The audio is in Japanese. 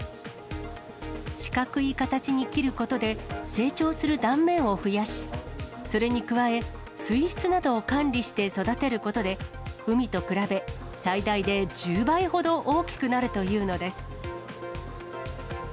四角い形に切ることで、成長する断面を増やし、それに加え、水質などを管理して育てることで、海と比べ、最大で１０倍ほど大きくなるというのです。